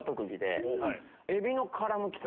エビの殻むきが？